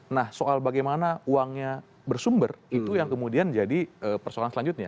nah soal bagaimana uangnya bersumber itu yang kemudian jadi persoalan selanjutnya